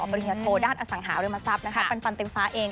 บริเวณโทรด้านอสังหาวิทยาลัยมทรัพย์ปันปันเต็มฟ้าเอง